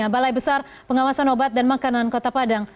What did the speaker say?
balai besar pengawasan obat dan makanan kota padang